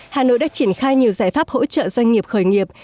hà nội đã triển khai nhiều giải pháp hỗ trợ doanh nghiệp khởi nghiệp